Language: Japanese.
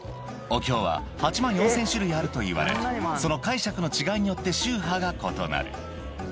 お経は８万４０００種類あるといわれ、その解釈の違いによって宗派が異なる。